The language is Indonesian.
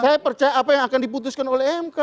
saya percaya apa yang akan diputuskan oleh mk